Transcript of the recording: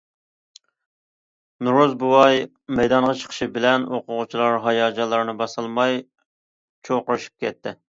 ‹‹ نورۇز بوۋاي›› مەيدانغا چىقىشى بىلەن ئوقۇغۇچىلار ھاياجانلىرىنى باسالماي چۇرقىرىشىپ كەتتى.